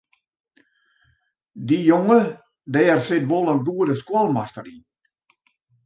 Dy jonge dêr sit wol in goede skoalmaster yn.